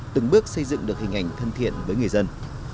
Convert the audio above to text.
từng bước xây dựng được hình ảnh thân thiện với người dân